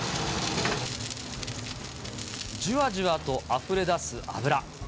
じわじわとあふれ出す脂。